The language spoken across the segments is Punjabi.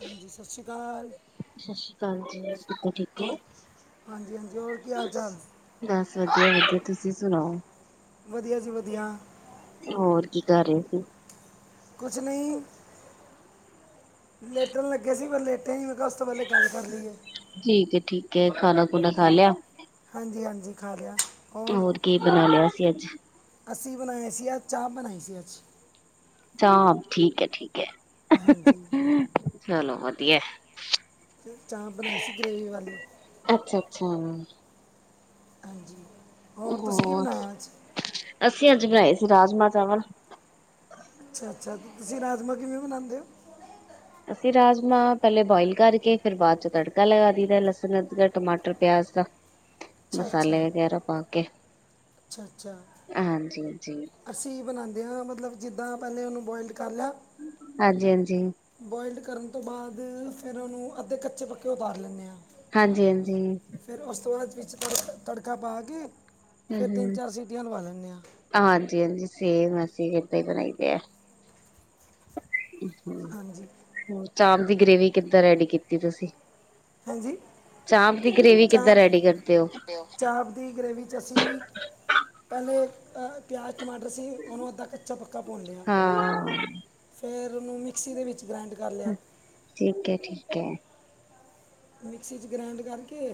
ਹਾਂਜੀ ਸਤਿ ਸ਼੍ਰੀ ਅਕਾਲ ਸਤਿ ਸ੍ਰੀ ਅਕਾਲ, ਜੀ, ਕਿੱਦਾਂ ਠੀਕ ਹੋ? ਹੋਰ ਹਾਂਜੀ-ਹਾਂਜੀ, ਹੋਰ ਕੀ ਹਾਲ ਚਾਲ? ਬਸ ਵਧੀਆ-ਵਧੀਆ, ਤੁਸੀ ਸੁਣਾਓ? ਵਧੀਆ ਜੀ ਵਧੀਆ, ਹੋਰ ਕੀ ਕਰ ਰਹੇ ਸੀ? ਕੁਛ ਨਹੀ ਲੇਟਣ ਲੱਗੇ ਸੀ ਬਸ ਲੇਟੇ ਹੀ ਮੈਂ ਕਿਹਾ ਉਸ ਤੋ ਪਹਿਲੇ ਗੱਲ ਕਰ ਲਈਏ, ਠੀਕ ਐ ਠੀਕ ਐ ਖਾਣਾ ਖੁਣਾ ਖਾ ਹਾਂ, ਲਿਆ। ਹਾਂਜੀ ਹਾਂਜੀ ਖਾ ਲਿਆ, ਹੋਰ ਕੀ ਬਣਾ ਲਿਆ ਸੀ ਅੱਜ? ਅਸੀ ਬਣਾਇਆ ਸੀ ਅੱਜ ਚਾਪ ਬਣਾਈ ਸੀ ਅੱਜ, ਚਾਹ ਠੀਕ ਐ ਠੀਕ, ਹੈ, ਹਾਂਜੀ, ਚਲੋ ਵਧੀਐ, ਤੇ ਚਾਹ ਬਣਾਈ ਸੀ [unintelligible] ਗ੍ਰੇਵੀ ਵਾਲੀ ਅੱਛਾ-ਅੱਛਾ, ਹਾਂਜੀ, ਤੁਸੀਂ ਕੀ ਹੋਰ ਬਣਾਇਆ ਅੱਜ ਅਸੀ ਅੱਜ ਬਣਾਏ ਸੀ ਰਾਜਮਾ ਚਾਵਲ, ਅੱਛਾ-ਅੱਛਾ, ਤੁਸੀ ਰਾਜਮਾ ਕਿਵੇ ਬਣਾਉਦੇ ਔ? ਤੇ ਰਾਜਮਾ ਪਹਿਲੇ ਬੋਇਲ ਕਰਕੇ ਫਿਰ ਬਾਅਦ ਚ ਤੜਕਾ ਲਗਾ ਦੀ ਦੈ ਲਸਣ ਅਦਰਕ ਟਮਾਟਰ ਪਿਆਜ ਦਾ, ਅੱਛਾ ਅੱਛਾ ਮਸਾਲੇ ਵਗੈਰਾ ਪਾ ਕੇ, ਅੱਛਾ ਅੱਛਾ ਹਾਂਜੀ-ਹਾਂਜੀ, ਅਸੀ ਬਨਾਦੇ ਆ ਮਤਲਬ ਜਿੱਦਾ ਪਹਿਲੇ ਉਹਨੂੰ ਬੋਇਲ ਹਾਂਜੀ ਹਾਂਜੀ। ਬੋਇਲ ਕਰਨ ਤੋ ਬਾਅਦ ਫੇਰ ਉਹਨੂੰ ਅੱਧੇ ਕੱਚੇ ਪੱਕੇ ਉਤਾਰ ਲੈਨੇ ਆ ਹਾਂਜੀ-ਹਾਂਜੀ, [unintelligible] ਤ ਤੜਕਾ ਪਾ ਕੇ ਫਿਰ ਤਿੰਨ ਹੂੰ ਚਾਰ ਸੀਟੀਆਂ ਲਵਾ ਲੈਂਦੇ ਆ ਹਾਂਜੀ-ਹਾਂਜੀ ਸੇਮ ਐ, ਅਸੀ ਏਦਾ ਈ ਬਣਾਈਦੇ ਐ, ਹ ਹਾਂਜੀ ਹੋਰ ਚਾਂਪ ਦੀ ਗ੍ਰੇਵੀ ਕਿੱਦਾ ਰੈਡੀ ਕੀਤੀ ਤੁਸੀ? ਹੇਂਜੀ? ਕਿੱਦਾਂ ਚਾਪ ਰੈਡੀ ਕਰਦੇ ਹੋ? ਚਾਂਪ ਦੀ ਗਰੇਵੀ ਚ ਅਸੀ ਪਹਿਲੇ ਪਿਆਜ ਟਮਾਟਰ ਸੀ ਉਹਨੂੰ ਅੱਧਾ ਕੱਚਾ ਪੱਕਾ ਪੁਨਲਿਆ, ਹਾਂ ਫੇਰ ਉਹਨੂੰ ਮਿਕਸੀ ਦੇ ਵਿੱਚ ਗ੍ਰੈਂਡ ਕਰ ਲਿਆ, ਠੀਕ ਹੈ ਠੀਕ ਹੈ। ਮਿਕਸੀ ਚ ਗ੍ਰੈਂਡ ਕਰਕੇ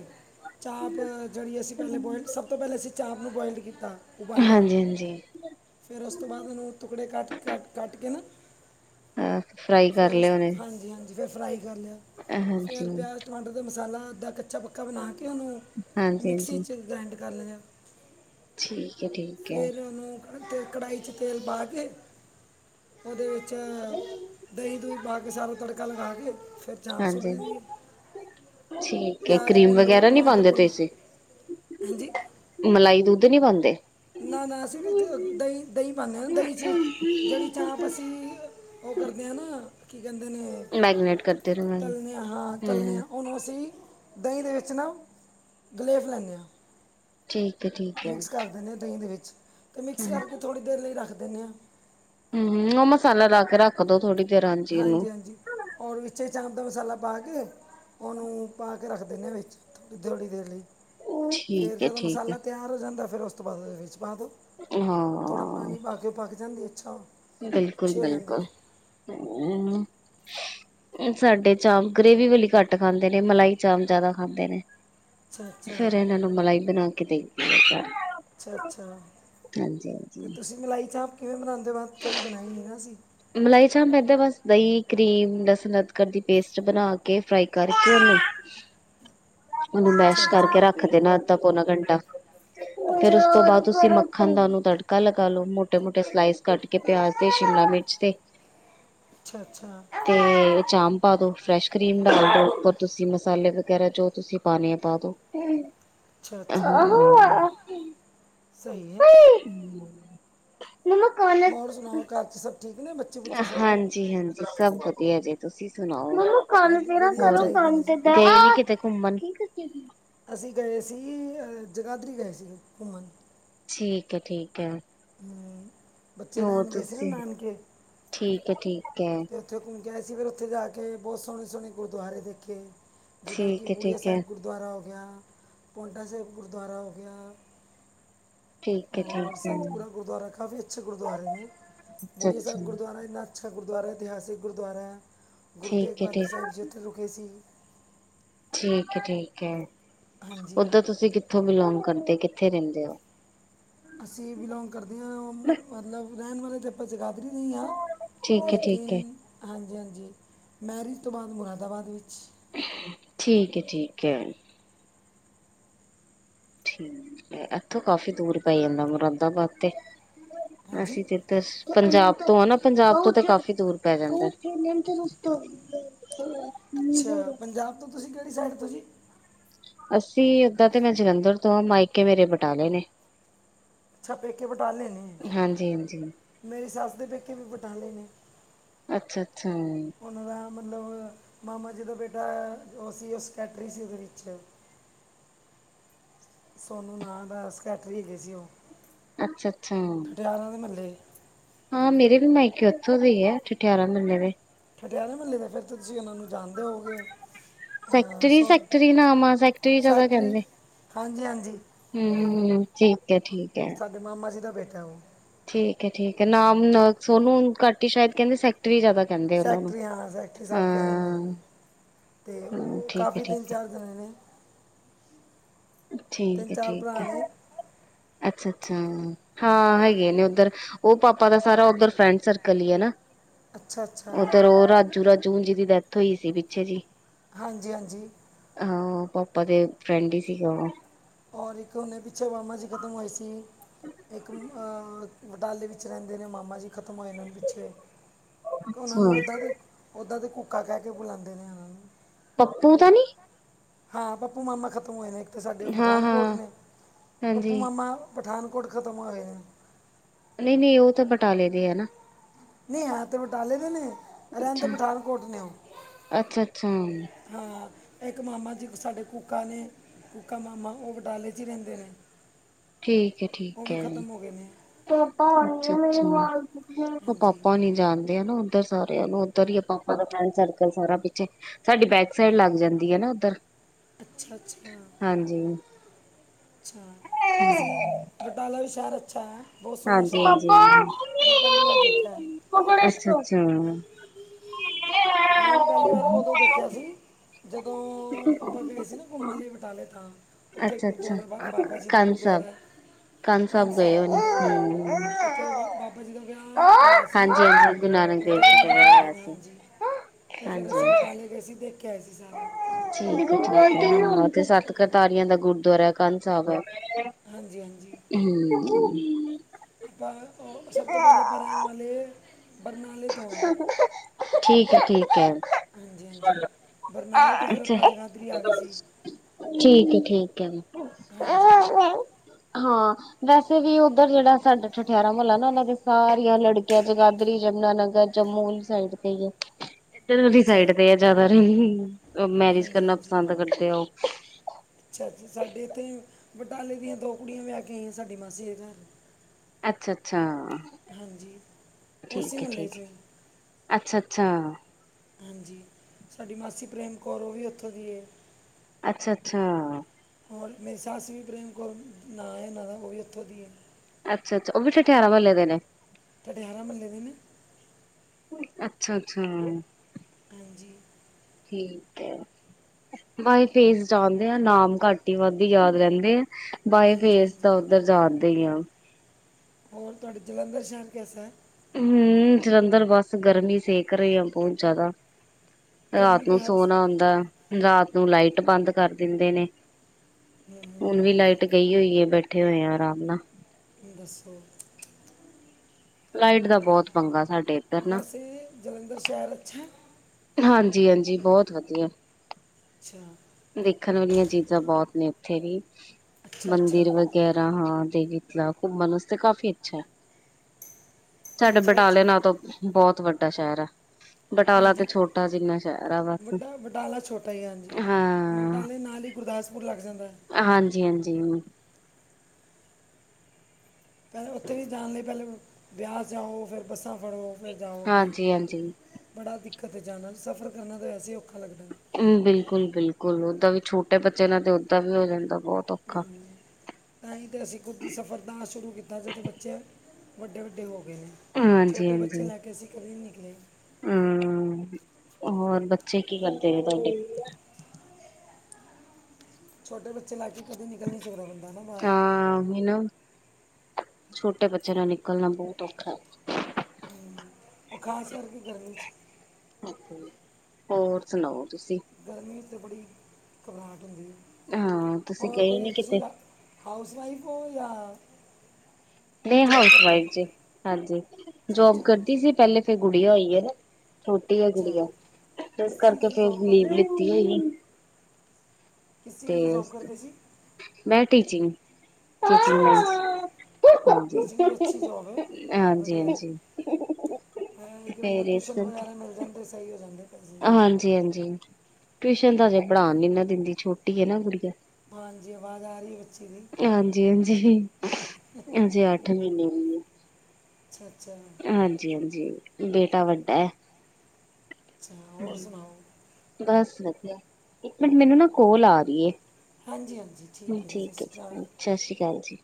ਚਾਪ ਜਿਹੜੀ ਅਸੀ ਪਹਿਲੇ ਬੋਇਲ ਸਭ ਤੋਂ ਪਹਿਲੇ ਅਸੀਂ ਚਾਪ, ਉਹਨੂੰ ਬੁਇਲ ਕੀਤਾ। ਉਬਾਲਿਆ ਹਾਂਜੀ ਹਾਂਜੀ ਫੇਰ ਉਸ ਤੋਂ ਬਾਅਦ ਉਹਨੂੰ ਟੁਕੜੇ ਕੱਟ-ਕੱਟ-ਕੱਟ ਕੇ ਨਾ ਆਹ ਫਰਾਈ ਕਰ ਫਿਰ ਲੇ ਉਸ ਹੋਣੇ, ਹਾਂਜੀ ਹਾਂਜੀ ਫਿਰ ਫਰਾਈ ਕਰ ਲਿਆ ਹਾਂਜੀ। ਫਿਰ ਪਿਆਜ ਟਮਾਟਰ ਦਾ ਮਸਾਲਾ ਅੱਧਾ ਕਾ, ਕੱਚਾ ਪੱਕਾ ਬਣਾ ਕੇ ਉਹਨੂੰ ਹਾਂਜੀ ਮਿਕਸੀ ਹਾਂਜੀ 'ਚ ਗ੍ਰੈਂੰਡ ਕਰ ਲਿਆ। ਠੀਕ ਹੈ ਠੀਕ ਹੈ, ਫਿਰ ਉਹਨੂੰ ਤੇ ਕੜਾਹੀ ਚ ਤੇਲ ਪਾ ਕੇ ਉਹਦੇ ਵਿੱਚ, ਚਾ ਦਹੀਂ-ਦਹੀਂ ਪਾ ਕੇ ਸਾਰਾ ਤੜਕਾ ਲਗਾ ਕੇ ਫਿਰ ਚਾਂਪ ਸੁੱਟ ਹਾਂਜੀ। ਦੇ ਠੀਕ ਹੈ ਕਰੀਮ ਵਗੈਰਾ ਨਹੀਂ ਪਾਦੇ ਭੁੰਨ ਲਓ ਤੁਸੀ ਹਾਂਜੀ ਮਲਾਈ ਦੁੱਧ ਦੁਧ ਨਹੀ ਪਾਂਦੇ ਨਾ ਨਾ ਅਸੀਂ ਤੇ ਦਹੀਂ ਦਹੀਂ ਪਾਨੇ ਆ ਨਾ ਦਹੀਂ ਚ ਜਿਹੜੀ ਚਾਪ ਅਸੀਂ ਕਰਦੇ ਆ ਨਾ ਕੀ ਕਹਿੰਦੇ ਨੇ ਮੈਗਨੇਟ ਕਰਦੇ ਰਹੋ ਹੂੰ। ਤਲਨੇ ਆ ਤਲਨੇ ਆ ਉਹਨੂੰ ਅਸੀਂ ਦਹੀਂ ਦੇ ਵਿੱਚ ਨਾ ਗਲੇਫ ਲੈਂਨੇ ਆ ਠੀਕ ਏ ਠੀਕ ਏ ਮਿਕਸ ਕਰ ਦਿੰਦੇ ਹਾਂ ਦਹੀਂ ਤੇ ਮਿਕਸ ਕਰਕੇ ਥੋੜੀ ਦੇਰ ਲਈ ਰੱਖ ਦਿੰਨੇ ਆ ਹੂ ਉਹ ਮਸਾਲਾ ਲਾ ਕੇ ਰੱਖ ਦੋ ਥੋੜੀ ਹਾਂਜੀ ਹਾਂਜੀ ਔਰ ਵਿੱਚੇ ਚਾ ਅੱਦਾ ਮਸਾਲਾ ਪਾ ਕੇ ਉਹਨੂੰ ਪਾ ਕੇ ਰੱਖ ਦਿੰਨੇ ਆ ਵਿੱਚ ਥੋੜ੍ਹੀ ਦੇਰ ਲਈ ਫੇਰ ਠੀਕ ਹੈ ਜਦੋਂ ਠੀਕ ਹੈ ਮਸਾਲਾ ਤਿਆਰ ਹੋ ਜਾਂਦਾ ਫਿਰ ਉਸ ਤੋਂ ਬਾਅਦ ਉਹਦੇ ਵਿੱਚ ਪਾ ਦਿਉ ਹਾਂ ਥੋੜ੍ਹਾ ਪਾਨੀ ਪਾਕੇ ਪਕ ਜਾਂਦੀ ਅੱਛਾ ਹੋ ਬਿਲਕੁਲ ਅੱਛੀ ਜਾਂਦੀ ਬਿਲਕੁਲ ਹੈ। ਹੁ ਸਾਡੇ ਚਾਂਪ ਗ੍ਰਰੇਵੀ ਵਾਲੀ ਘੱਟ ਖਾਂਦੇ ਨੇ ਮਲਾਈ ਚਾਂਪ ਜ਼ਿਆਦਾ ਖਾਂਦੇ ਨੇ ਅੱਛਾ ਅੱਛਾ ਫੇਰ ਇਹਨਾਂ ਨੂੰ ਮਲਾਈ ਬਣਾ ਕੇ ਦੇਈ ਦੀ ਆ ਅੱਛਾ ਅੱਛਾ ਤੇ ਹਾਂਜੀ ਤੁਸੀਂ ਮਲਾਈ ਚਾਂਪ ਕਿਵੇਂ ਬਨਾਦੇ ੳ ਕਦੀ ਬਨਾਈ ਨਹੀਂ ਨਾ ਅਸੀ ਮਲਾਈ ਚਾਪ ਏਦਾਂ ਬਸ ਦਹੀਂ ਕਰੀਮ ਲਸਨ ਅਦਕਰ ਦੀ ਪੇਸਟ ਬਨਾ ਕੇ ਫਰਾਈ ਕਰਕੇ ਉਹਨੂੰ ਅੱਛਾ ਮੈਸ਼ ਅੱਛਾ ਕਰਕੇ ਰੱਖ ਦੇਨਾ ਅੱਧਾ ਪੌਨਾ ਘੰਟਾ ਫੇਰ ਅੱਛਾ ਉਸ ਤੋਂ ਅੱਛਾ ਬਾਅਦ ਤੁਸੀਂ ਮੱਖਣ ਦਾ ਉਹਨੂੰ ਤੜਕ ਲਗਾ ਲਓ ਮੋਟੇ ਮੋਟੇ ਸਲਾਈਸ ਕੱਟ ਕੇ ਪਿਆਜ ਤੇ ਸ਼ਿਮਲਾ ਮਿਰਚ ਦੇ ਅੱਛਾ ਅੱਛਾ ਚਾਪ ਪਾ ਦੋ ਫਰੈਸ਼ ਕਰੀਮ ਡਾਲ ਦੋ ਉਤੋਂ ਤੁਸੀਂ ਮਸਾਲੇ ਵਗੈਰਾ ਜੋ ਤੁਸੀਂ ਪਾਨੀ ਏ ਪਾ ਦੋ ਅੱਛਾ ਹ ਸਈ ਏ ਨਕਮ ਨਕਮ ਕਾਲ [inaudible] ਸੁਣਾਓ ਘਰ 'ਚ ਸਭ ਠੀਕ ਨੇ ਬੱਚੇ ਬੁੱਚੇ ਸਭ ਹਾਂਜੀ ਹਾਂਜੀ ਸਭ ਵਧੀਆ ਜੀ ਤੁਸੀਂ ਸੁਨਾਓ ਵਧੀ- ਵਧੀਆ ਹੀ ਚਾਹੀਦੇ ਨੇ ਜੀ ਗਏ ਨੀ ਕਿਤੇ ਘੁੰਮਨ ਅਸੀਂ ਗਏ ਸੀ ਅ ਜਗਾਧਰੀ ਗਏ ਸੀ ਘੁੰਮਨ ਠੀਕ ਏ ਠੀਕ ਏ ਹਮ, ਬੱਚੇ ਹੋਰ ਰਹਿਣ ਗਏ ਸੀ ਨਾ ਤੁਸੀ ਨਾਨਕੇ ਠੀਕ ਏ ਠੀਕ ਹੈ ਤੇ ਉੱਥੇ ਘੁੰਮ ਕੇ ਆਏ ਸੀ ਫਿਰ ਉੱਥੇ ਜਾ ਕੇ ਬਹੁਤ ਸੋਹਣੇ- ਸੋਹਣੇ ਗੁਰਦੁਆਰੇ ਵੇਖੇ। ਜਿੱਦਾਂ ਕੀ ਠੀਕ ਹੈ ਬੁੜੀਆ ਠੀਕ ਸਾਹਿਬ ਹੈ ਗੁਰਦੁਆਰਾ ਪੋਂਟਾ ਸਾਹਿਬ ਗੁਰਦੁਆਰਾ ਹੋ ਗਿਆ ਠੀਕ ਹੈ ਹੋਰ ਠੀਕ ਹੈ ਸੰਤਪੁਰਾ ਗੁਰਦੁਆਰਾ ਕਾਫੀ ਅੱਛੇ ਗੁਰਦੁਆਰੇ ਨੇ ਅੱਛਾ ਬੁੜੀ ਸਾਹਿਬ ਅੱਛਾ ਗੁਰਦੁਆਰਾ ਇਨ ਗੁਰਦੁਆਰਾ ਇਤਿਹਾਸਿਕ ਗੁਰਦੁਆਰਾ ਗੁਰੂ ਤੇਗ ਠੀਕ ਹੈ ਠੀਕ ਬਹਾਦਰ ਸਾਹਿਬ ਉਥੇ ਰੁਕੇ ਸੀ ਠੀਕ ਏ ਠੀਕ ਏ ਹਾਂਜੀ ਓਦਾਂ ਤੁਸੀਂ ਕਿੱਥੋਂ ਦੇ ਉ ਏਥੇ ਕਿੱਥੇ ਰਹਿੰਦੇ ਉ ਅਸੀਂ ਬਿਲੋਂਗ ਕਰਦੇ ਆ ਮਤਲਬ ਰਹਿਨ ਵਾਲੇ ਤੇ ਆਪਾ ਜਗਾਦਰੀ ਨਾ ਠੀਕ ਹੈ ਠੀਕ ਹੈ ਲੇਕਿਨ ਹਾਂਜੀ ਹਾਂਜੀ ਮੈਰਿਜ ਤੋਂ ਬਾਅਦ ਮੁਰਾਦਾਬਾਦ ਵਿੱਚ ਠੀਕ ਏ ਠੀਕ ਏ ਠੀਕ ਏ ਇੱਥੋਂ ਕਾਫ਼ੀ ਦੂਰ ਪੈ ਜਾਂਦਾ ਮੁਰਾਦਾਬਾਦ ਤੇ। [inaudible] ਹਾਂਜੀ [inaudible] ਪੰਜਾਬ ਤੋਂ ਆ ਨਾ ਪੰਜਾਬ ਤੋਂ ਤੇ ਕਾਫੀ ਦੂਰ ਪੈ ਜਾਂਦਾ। ਅੱਛਾ ਪੰਜਾਬ ਤੋਂ ਤੁਸੀਂ ਕਿਹੜੀ ਸਾਈਡ ਤੋਂ ਜੀ। ਅਸੀਂ ਓਦਾਂ ਤੇ ਮੈਂ ਜਲੰਧਰ ਤੋਂ ਆ ਮਾਇਕੇ ਮੇਰੇ ਬਟਾਲੇ ਨੇ। ਅੱਛਾ ਪੇਕੇ ਬਟਾਲੇ ਨੇ। ਹਾਂਜੀ ਹਾਂਜੀ ਮੇਰੀ ਸੱਸ ਦੇ ਪੇਕੇ ਵੀ ਬਟਾਲੇ ਨੇ। ਅੱਛਾ- ਅੱਛਾ। ਉਹਨਾਂ ਦਾ ਮਤਲਬ ਮਾਮਾ ਜੀ ਦਾ ਬੇਟਾ ੳਹ ਸੀ ੳਹ ਸਕੈਟਰੀ ਸੀ ਉਹਦੇ ਵਿੱਚ। [inaudible] [inaudible] ਸੋਨੂੰ ਨਾਂ ਦਾ ਸਕੈਟਰੀ ਹੈਗੇ ਸੀ ਉਹ। ਅੱਛਾ-ਅੱਛਾ। ਠਠਿਆਰਾਂ ਦੇ ਮਹੱਲੇ ਹਾਂ ਮੇਰੇ ਵੀ ਮਾਇਕੇ ਉੱਥੋਂ ਦੇ ਆ ਠਠਿਆਰਾਂ ਮਹਲੇ ਦੇ। ਪਟਿਆਲੇ ਮਹੱਲੇ ਦਾ ਫਿਰ ਤਾਂ ਤੁਸੀਂ ਉਹਨਾਂ ਨੂੰ ਜਾਣਦੇ ਹੋਗੇ। ਸੋਨ ਸੈਕਟਰੀ-ਸੈਕਟਰੀ ਨਾਮ ਆ ਸੈਕਟਰੀ ਜਗ੍ਹਾ ਕਹਿੰਦੇ। ਹਾਂਜੀ ਹਾਂਜੀ ਹੂੰ ਠੀਕ ਹੈ ਠੀਕ ਹੈ। ਸਾਡੇ [inaudible] ਠੀਕਹੈ-ਠੀਕ ਹੈ ਨਾਮ ਸੋਨੂੰ ਘੱਟ ਹੀ ਸ਼ਾਇਦ ਕਹਿੰਦੇ ਸੈਕਟਰੀ ਜ਼ਿਆਦਾ ਕਹਿੰਦੇ ਓਹਨਾਂ ਨੂੰ ਸੈਕਟਰੀ ਹਾਂ ਸੈਕਟਰੀ ਸਾਹਿਬ ਕਹਿ ਦਿੰਦੇ ਨੇ ਹਾਂ। ਤੇ ਹਾਂ ਉਹ ਠੀਕ ਹੈ ਕਾਫੀ ਤਿੰਨ ਠੀਕ ਚਾਰ ਹੈ ਜਣੇ ਨੇ। ਤਿੰਨ ਠੀਕ ਹੈ ਚਾਰ ਠੀਕ ਭਰਾ ਹੈ ਨੇ ਅੱਛਾ। ਅੱਛਾ ਹਾਂ ਅਹ, ਹੈਗੇ ਨੇ ਉੱਧਰ ਉਹ ਪਾਪਾ ਦਾ ਸਾਰਾ ਉਧਰ ਫਰੈਂਡ ਸਰਕਲ ਹੀ ਏ ਨਾ। ਅੱਛਾ ਅੱਛਾ ਓਧਰ ਉਹ ਰਾਜੂ ਰਾਜੂ ਜੀ ਦੀ ਡੈਥ ਹੋਈ ਸੀ ਪਿੱਛੇ ਜੀ। ਹਾਂਜੀ- ਹਾਂਜੀ। ਹਾਂ ਪਾਪਾ ਦੇ ਫਰੈਂਡ ਹੀ ਸੀ ਉਹ। ਔਰ ਇੱਕ ਉਹਨੇ ਪਿੱਛੇ ਮਾਮਾ ਜੀ ਖ਼ਤਮ ਹੋਈ ਸੀ ਇੱਕ ਬਟਾਲੇ ਵਿੱਚ ਰਹਿੰਦੇ ਨੇ ਮਾਮਾ ਜੀ। ਖਤਮ ਹੋਏ ਇਹਨਾਂ ਨੂੰ ਪਿੱਛੇ ਉਹਨਾਂ ਨੂੰ ਓਦਾਂ ਅੱਛਾ ਦੇ ਓਦਾਂ ਦੇ ਕੂਕਾ ਕਹਿ ਕੇ ਬੁਲਾਉਂਦੇ ਨੇ ਉਹਨਾਂ ਨੂੰ। ਪੱਪੂ ਤਾਂ ਨੀ। ਹਾਂ ਪੱਪੂ ਮਾਮਾ ਖਤਮ ਹੋਏ ਨੇ ਇੱਕ ਤਾਂ ਸਾਡੇ ਉਹ ਹਾਂ ਪਠਾਨਕੋਟ ਹਾਂ ਨੇ ਪੱਪੂ ਹਾਂਜੀ ਮਾਮਾ। ਪਠਾਨਕੋਟ ਖ਼ਤਮ ਹੋਏ ਨੇ। ਨਹੀਂ-ਨਹੀਂ ਉਹ ਤਾਂ ਬਟਾਲੇ ਦੇ ਹੈ ਨਾ। ਨਹੀਂ ਹੈ ਤੇ ਵਟਾਲੇ ਦੇ ਨੇ। ਰਹਿੰਦੇ ਅੱਛਾ ਪਠਾਨਕੋਟ ਨੇ ਉਹ ਅੱਛਾ ਅੱਛਾ ਹਾਂ ਇੱਕ ਮਾਮਾ ਜੀ ਸਾਡੇ ਕੂਕਾ ਨੇ ਕੂਕਾ ਮਾਮਾ ਉਹ ਵਟਾਲੇ 'ਚ ਹੀ ਰਹਿੰਦੇ ਨੇ। ਠੀਕ ਹੈ ਉਹ ਠੀਕ ਵੀ ਹੈ। ਖਤਮ ਹੋ ਗਏ ਨੇ ਅੱਛਾ-ਅੱਛਾ ਹਾਂਜੀ ਪਾਪਾ ਹੋਣੀ ਜਾਣਦੇ ਉਧਰ ਸਾਰਿਆਂ ਨੂੰ ਉੱਧਰ ਹੀ, ਆਪ-ਆਪ ਦਾ ਫਰੈਡ ਸਰਕਲ ਸਾਰਾ ਪਿੱਛੇ ਸਾਡੀ ਬੈਕ ਸਾਈਡ ਲੱਗ ਜਾਂਦੀ ਹੈ ਨਾ ਉੱਧਰ। ਅੱਛਾ-ਅੱਛਾ। ਹਾਂਜੀ ਅੱਛਾ, ਅਸੀਂ ਬਟਾਲਾ ਵੀ ਸ਼ਹਿਰ ਅੱਛਾ ਹੈ। ਬਹੁਤ ਸੋਹਣਾ ਸ਼ਹਿਰ ਹੈ ਹਾਂਜੀ-ਹਾਂਜੀ, ਮੈਂ ਪਹਿਲੀ ਵਾਰ ਦੇਖਿਆ ਹੈ ਅੱਛਾ-ਅੱਛਾ। ਨਹੀਂ ਪਹਿਲੀ ਵਾਰ ਉਦੋਂ ਦੇਖਿਆ ਸੀ। ਜਦੋਂ ਆਪਾਂ ਗਏ ਸੀ ਨਾ ਘੁੰਮਣ ਲਈ ਬਟਾਲੇ ਤਾਂ ਉੱਥੇ ਅੱਛਾ ਅੱਛਾ ਗੁਰਦੁਆਰਾ ਬਾਬਾ ਜੀ ਦਾ ਗੁਰਦੁਆਰਾ। ਕੰਦ ਕੰਨ ਸਾਹਿਬ ਗਏ ਹਾਂ ਹੋਣੇ ਹੂੰ। ਉੱਥੇ ਬਾ- ਬਾਬਾ ਜੀ ਦਾ ਵਿਆਹ ਹੋਇਆ ਸੀ ਨਾ ਹਾਂਜੀ-ਹਾਂਜੀ ਗੁਰੂ ਨਾਨਕ ਦੇਵ ਉੱਥੇ ਵਿਆਹ ਜੀ ਦਾ ਵੀ ਦਿਖਾਉਂਦੇ ਹੋਇਆ ਨੇ ਸੀ। ਤੇ ਫਿਰ ਅਸੀਂ ਹਾਂਜੀ ਬਟਾਲੇ ਗਏ ਸੀ ਦੇਖਿਆ ਆਏ ਸੀ ਸਾਰਾ। ਠੀਕ ਹੈ ਹਾਂ ਤੇ ਸਤ ਕਰਤਾਰੀਆਂ ਦਾ ਗੁਰਦੁਆਰਾ ਕੰਦ ਸਾਹਿਬ ਦਾ। ਹਾਂਜੀ ਹਾਂਜੀ ਹੂੰ। ਆਪਾਂ ਸਭ ਤੋਂ ਪਹਿਲੇ ਪੜ੍ਹਣ ਵਾਲੇ। ਬਰਨਾਲੇ ਤੋਂ ਆ ਠੀਕ ਹੈ। ਠੀਕ ਹੈ। ਹਾਂਜੀ ਹਾਂਜੀ ਬਰਨਾਲੇ ਤੋਂ ਫਿਰ ਅੱਛਾ। ਆਪਾਂ ਜਗਾਦਰੀ ਆ ਗਏ ਸੀ ਠੀਕ-ਠੀਕ ਆ। ਕ ਹਾਂਜੀ [inaudible] ਹਾਂ। ਵੈਸੇ ਵੀ ਉੱਧਰ ਜਿਹੜਾ ਸਾਡ ਠਠਿਆਰਾਂ ਮੁਹੱਲਾ ਨਾ ਉਹਨਾਂ ਦੇ ਸਾਰੀਆਂ ਲੜਕੀਆਂ ਜਗਾਧਰੀ ਯਮੁਨਾਾਨਗਰ, ਜੰਮੂ ਸਾਈਡ ਤੇ ਹੀ ਨੇ। ਇਧਰ ਅੱਛਾ ਸਾਈਡ ਤੇ ਆ, ਲਵ ਮੈਰਿਜ ਹਾਂਜੀ ਕਰਨਾ ਹਾਂਜੀ ਪਸੰਦ ਕਰਦੇ ਆ ਉਹ। ਅੱਛਾ। ਸਾਡੇ ਇੱਥੇ ਬਟਾਲੇ ਦੀਆਂ ਦੋ ਕੁੜੀਆਂ ਵਿਆਹ ਕੇ ਆਈਆਂ ਸਾਡੀ ਮਾਸੀ ਦੇ ਘਰ। ਅੱਛਾ-ਅੱਛਾ। ਹਾਂਜੀ ਉਸੇ ਠੀਕ ਹੈ ਮਹੱਲੇ ਠੀਕ, 'ਚੋਂ ਹੀ ਅੱਛਾ ਚਛ [inaudible] ਹਾਂਜੀ। ਸਾਡੀ ਮਾਸੀ ਪ੍ਰੇਮ ਕੌਰ, ਉਹ ਵੀ ਉੱਥੋਂ ਦੀ ਏ। ਅੱਛਾ-ਅੱਛਾ। ਹੋਰ, ਮੇਰੀ ਸੱਸ ਵੀ ਪ੍ਰੇਮ ਕੌਰ ਨਾਂ ਹੈ ਉਨਾਂ ਦਾ। ਉਹ ਵੀ ਉੱਥੋਂ ਦੀ ਏ। ਅੱਛਾ-ਅੱਛਾ, ਉਹ ਵੀ ਠਿਆਰਾਂ ਮੌਹਲੇ ਦੇ ਨੇ? ਠਠਿਆਰਾ ਮਹੱਲੇ ਦੇ ਨੇ। ਅੱਛਾ-ਅੱਛਾ। ਹਾਂਜੀ। ਠੀਕ ਹੈ, ਬਾਏ ਫੇਸ ਜਾਣਦੇ ਆ, ਨਾਮ ਘੱਟ ਹੀ-ਵੱਧ ਹੀ ਯਾਦ ਰਹਿੰਦੇ ਆ। ਬਾਏ ਹਾਂਜੀ ਫੇਸ ਹਾਂਜੀ ਤਾਂ ਉੱਧਰ ਜਾਦੇ ਹੀ ਆ। ਹੋਰ। ਤੁਹਾਡੇ ਜਲੰਧਰ ਸ਼ਹਿਰ ਕੈਸਾ ਹੈ? ਹੂੰ, ਜਲੰਧਰ ਬਸ ਗਰਮੀ ਸੇਕ ਰਹੇ ਆ ਬਹੁਤ ਜ਼ਿਆਦਾ। ਗਰਮੀ ਰਾਤ ਤਾਂ ਨੂੰ ਹਰ ਸੋਣਾ ਹੁੰਦਾ, ਰਾਤ ਨੂੰ ਲਾਈਟ ਬੰਦ ਕਰ ਦਿੰਦੇ ਨੇ। ਹਮ, ਹੁਣ ਵੀ ਲਾਈਟ ਗਈ ਹੋਈ ਹੈ, ਬੈਠੇ ਹੋਏ ਆ, ਆਰਾਮ ਨਾਲ। ਹਮ, ਦੱਸੋ? ਲਾਈਟ ਦਾ ਬਹੁਤ ਪੰਗਾ ਸਾਡੇ ਇੱਧਰ ਨਾ। ਵੈਸੇ ਜਲੰਧਰ ਸ਼ਹਿਰ ਅੱਛਾ ਹੈ? ਹਾਂਜੀ-ਹਾਂਜੀ, ਬਹੁਤ ਵਧੀਆ। ਅੱਛਾ ਦੇਖਣ ਵਾਲੀਆਂ ਚੀਜ਼ਾਂ ਬਹੁਤ ਨੇ ਉੱਥੇ ਅੱਛਾ ਅੱਛਾ ਵੀ-ਮੰਦਿਰ ਵਗੈਰਾ ਹਾਂ ਘੁੰਮਣ ਵਾਸਤੇ ਕਾਫ਼ੀ ਅੱਛਾ ਹੈ। ਸਾਡੇ ਅੱਛਾ ਬਟਾਲੇ ਅੱਛਾ ਨਾ ਤੋਂ ਬਹੁਤ ਵੱਡਾ ਸ਼ਹਿਰ ਹੈ। ਬਟਾਲਾ ਤੇ ਹਾਂਜੀ ਛੋਟਾ ਜਿੰਨਾ ਸ਼ਹਿਰ ਆ ਬਸ, ਵੱਡਾ ਬਟਾਲਾ ਛੋਟਾ ਹੀ ਹੈ, ਹਾਂਜੀ ਹਾਂ। ਬਟਾਲੇ ਨਾਲ ਹੀ ਗੁਰਦਾਸਪੁਰ ਲੱਗ ਜਾਂਦਾ ਹੈ ਹਾਂਜੀ-ਹਾਂਜੀ। ਪਹਿਲ ਉੱਥੇ ਵੀ ਜਾਣ ਲਈ ਪਹਿਲੇ ਬਿਆਸ ਜਾਓ ਫਿਰ ਬੱਸਾਂ ਫੜੋ ਫਿਰ ਜਾਓ ਅੱਗੇ, ਹਾਂਜੀ-ਹਾਂਜੀ। ਬੜਾ ਦਿੱਕਤ ਹੈ ਜਾਣਾ। ਸਫ਼ਰ ਕਰਨਾ ਤਾਂ ਵੈਸੇ ਹੀ ਔਖਾ ਲੱਗਦਾ। ਹੈ। ਬਿਲਕੁਲ-ਬਿਲਕੁਲ, ਓਦਾਂ ਵੀ ਛੋਟੇ ਬੱਚੇ ਨਾਲ ਤੇ ਓਦਾਂ ਵੀ ਹੋ ਜਾਂਦਾ ਬਹੁਤ ਔਖਾ। ਹਮ, ਤਾਂ ਹੀ ਤਾਂ, ਅਸੀਂ ਖੁਦ ਸਫ਼ਰ ਤਾਂ ਸ਼ੁਰੂ ਕੀਤਾ ਜਦੋਂ ਬੱਚੇ ਵੱਡੇ-ਵੱਡੇ ਹੋ ਛੋਟੇ ਬੱਚੇ ਹਾਂਜੀ-ਹਾਂਜੀ ਲੈ ਕੇ ਅਸੀਂ ਕਦੇ ਨੀ ਨਿਕਲੇ। ਹੂੰ ਹੋਰ ਬੱਚੇ ਕੀ ਕਰਦੇ ਨੇ ਤੁਹਾਡੇ? ਛੋਟੇ ਬੱਚੇ ਲੇ ਕੇ ਕਦੇ ਨਿਕਲ ਨੀ ਸਕਦਾ ਬੰਦਾ ਨਾ ਬਾਹਰ ਹਾਂ ਵੀ ਨਾ ਛੋਟੇ ਬੱਚੇ ਨਾਲ ਨਿਕਲਣਾ ਬਹੁਤ ਔਖਾ। ਹਮ, ਉਹ ਖ਼ਾਸ ਕਰਕੇ ਗਰਮੀ 'ਚ। ਹੋਰ ਸੁਣਾਓ? ਤੁਸੀਂ? ਗਰਮੀ ਤੇ ਬੜੀ ਘਬਰਾਹਟ ਹੁੰਦੀ ਹਾਂ ਤੁਸੀਂ ਹੋਰ ਗਏ ਕੋਈ, ਨੀ ਕਿਤੇ? ਤੁਸੀਂ ਹਾਊਸ ਵਾਈਫ ਹੋ ਜਾਂ ਨਹੀਂ ਜੌਬ ਕਰਦੇ ਹੋ ਹਾਊਸਵਾਾਈਫ ਜੀ, ਅੱਛਾ ਹਾਂਜੀ, ਜੋਬ ਅੱਛਾ ਕਰਦੀ ਸੀ ਪਹਿਲੇ ਫਿਰ ਗ ਗੁੜਿਆ ਹੋਈ ਹੈ ਨਾ, ਛੋਟੀ ਆ ਅੱਛਾ ਗੁੜੀਆ, ਇਸ ਕਿਸ ਕਰਕੇ ਚੀਜ਼ ਦੀ ਫੇਰ ਜੌਬ ਕਰਦੇ ਲੀਵ ਜੀ ਲਿੱਤੀ ਹੋਇਆ। ਕਿਸ ਤੇ ਚੀਜ਼ ਦੀ ਜੌਬ ਕਰਦੇ ਜੀ ਮੈਂ ਟੀਚਿੰਗਚ, ਅੱਛਾ ਟੀਚੰਗ ਲਾਈਨ ਅੱਛਾ ਚ। ਟੀਚਿੰਗ ਵੀ ਅੱਛੀ ਜੌਬ ਹੈ ਵਧੀਆ ਹਜੀ-ਹਾਂਜੀ। ਹੈ ਕਿ ਬੰਦਾ ਟਿਊਸ਼ਨ ਵਗੈਰਾ ਮਿਲ ਜਾਂਦੇ ਸਹੀ ਹੋ ਜਾਂਦੇ। ਪੈਸੇ ਹਾਂਜੀ-ਹਾਂਜੀ ਟਿਊਸ਼ਨ ਤਾਂ ਅਜੇ ਪੜ੍ਹਾਉਣ ਨੀ ਨਾ ਦਿੰਦੀ, ਛੋਟੀ ਹੈ ਨਾ ਕੁੜੀੀਆਂ। ਹਾਂਜੀ ਆਵਾਜ਼ ਆ ਰਹੀ ਹੈ ਬੱਚੀ ਦੀ ਹਾਂਜੀ-ਹਾਂਜੀ- ਹਾਂਜੀ ਅੱਠ ਮਹੀਨੇ ਦੀ ਅੱਛਾ ਅੱਛਾ ਹਾਂਜੀ-ਹਾਂਜੀ, ਬੇਟਾ ਵੱਡਾ ਹੈ। ਅੱਛਾ, ਹੋਰ ਸੁਣਾਓ। ਬਸ ਵਧੀਆ, ਇੱਕ ਮਿੰਟ ਮੈਨੂੰ ਨਾ ਕੋਲ ਆ ਰਹੀ ਏ। ਹਾਂਜੀ ਹਾਂਜੀ ਸਤਿ ਠੀਕ ਹੈ ਸ਼੍ਰੀ ਜੀ, ਅਕਾਲ ਸਤਿ ਸ੍ਰੀ ਅਕਾਲ ਜੀ।